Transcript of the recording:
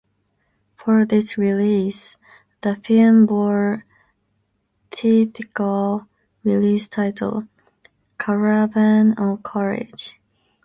For this release, the film bore theatrical release title, "Caravan of Courage".